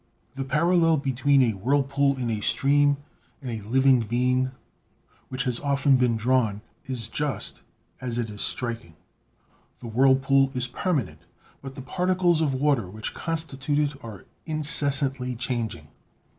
The parallel between a H BIOLOGY whirlpool in a stream and a living being, which has often been drawn, is just as it is striking. The whirlpool is permanent, but the particles of water which constitute it are incessantly changing.